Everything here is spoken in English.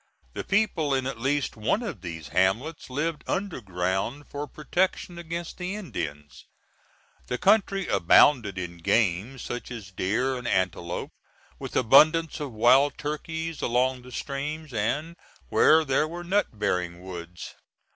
The people in at least one of these hamlets lived underground for protection against the Indians. The country abounded in game, such as deer and antelope, with abundance of wild turkeys along the streams and where there were nut bearing woods.